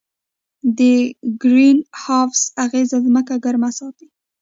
د ګرین هاوس اغېز ځمکه ګرمه ساتي.